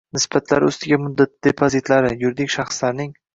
nisbatlari ustiga muddatli depozitlari: yuridik shaxslarning